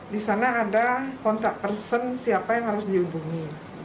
di sana ada kontak person siapa yang harus dihubungi